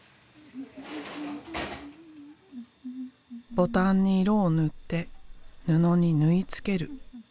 ボタンに色を塗って布に縫い付ける。